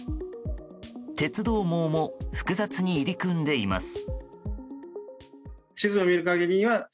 鉄道網も複雑に入り組んでいます。